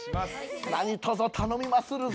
何とぞ頼みまするぞ。